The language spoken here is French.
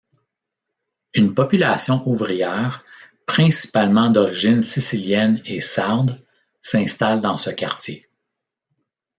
Une population ouvrière, principalement d'origine sicilienne et sarde, s'installe dans ce quartier.